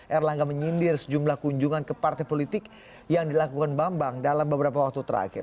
erlangga menyindir sejumlah kunjungan ke partai politik yang dilakukan bambang dalam beberapa waktu terakhir